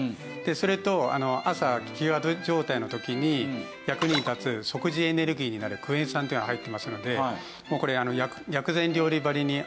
それと朝飢餓状態の時に役に立つ即時エネルギーになるクエン酸っていうのが入ってますのでもうこれ。